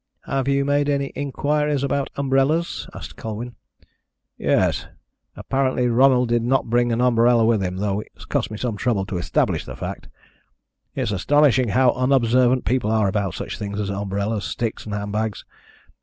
"Have you made any inquiries about umbrellas?" asked Colwyn. "Yes. Apparently Ronald did not bring an umbrella with him, though it's cost me some trouble to establish that fact. It is astonishing how unobservant people are about such things as umbrellas, sticks, and handbags.